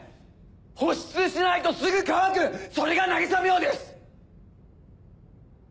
保湿しないとすぐ乾くそれが渚海音です！